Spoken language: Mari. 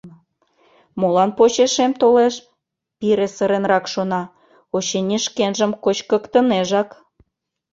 «Молан почешем толеш?» — пире сыренрак шона, — очыни, шкенжым кочкыктынежак».